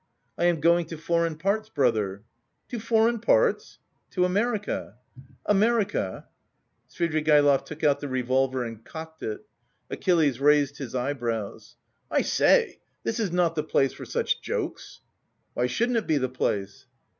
"I am going to foreign parts, brother." "To foreign parts?" "To America." "America." Svidrigaïlov took out the revolver and cocked it. Achilles raised his eyebrows. "I say, this is not the place for such jokes!" "Why shouldn't it be the place?"